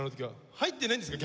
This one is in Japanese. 入ってないんですか？